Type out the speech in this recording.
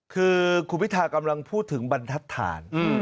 คือครูพิธากำลังพูดถึงบรรทัดฐาน